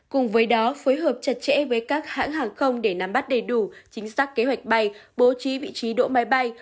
cùng với đó phối hợp chặt chẽ với các hãng hàng không để nắm bắt đầy đủ chính xác kế hoạch bay bố trí vị trí đỗ máy bay